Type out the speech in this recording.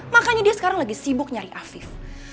makanya dia sekarang lagi sibuk nyari afif